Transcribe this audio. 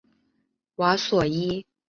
瓦索伊。